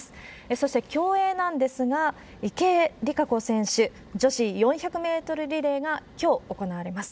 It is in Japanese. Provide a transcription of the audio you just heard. そして競泳なんですが、池江璃花子選手、女子４００メートルリレーがきょう行われます。